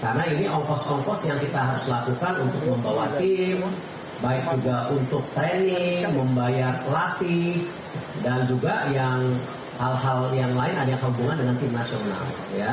karena ini ongkos ongkos yang kita harus lakukan untuk membawa tim baik juga untuk training membayar latih dan juga yang hal hal yang lain ada yang keunggulan dengan tim nasional